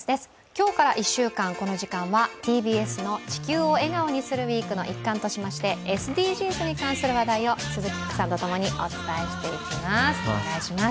今日から１週間、この時間はＴＢＳの「地球を笑顔にするＷＥＥＫ」の一貫としましてＳＤＧｓに関する話題を鈴木福さんとともにお伝えしていきます。